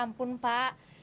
ya ampun pak